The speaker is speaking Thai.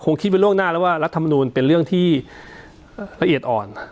คิดไปล่วงหน้าแล้วว่ารัฐมนูลเป็นเรื่องที่ละเอียดอ่อน